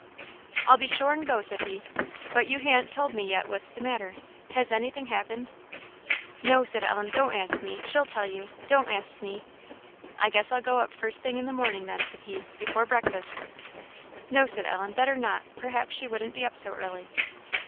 "I'll be sure and go," said he; "but you han't told me yet what's the matter. Has anything happened?" "No," said Ellen; "don't ask me she'll tell you don't ask me." "I guess I'll go up the first thing in the morning then," said he "before breakfast." "No," said Ellen "better not; perhaps she wouldn't be up so early."